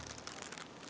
tidak ada yang bisa dihukum